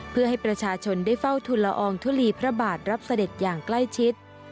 เพื่อให้ประชาชนได้เฝ้าทุนละอองทุลีพระบาทรับเสด็จอย่างใกล้ชิด